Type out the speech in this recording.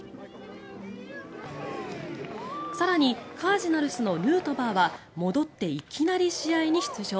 更にカージナルスのヌートバーは戻っていきなり試合に出場。